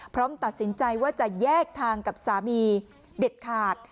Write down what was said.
พร้อมตัดสินใจว่าจะแยกทางกับสามีเด็ดขาด